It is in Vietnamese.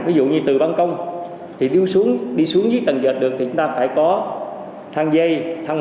ví dụ như từ băng công thì đi xuống dưới tầng dệt đường thì chúng ta phải có thang dây thang đường